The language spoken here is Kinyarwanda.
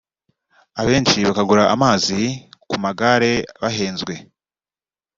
abenshi bakagura amazi ku magare bahenzwe